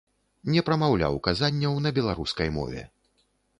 Не прамаўляў казанняў на беларускай мове.